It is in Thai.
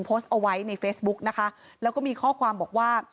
โพสต์เอาไว้ในเฟซบุ๊กนะคะแล้วก็มีข้อความบอกว่า